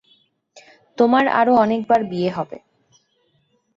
তোমার আরো অনেকবার বিয়ে হবে।